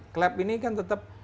klep ini kan tetap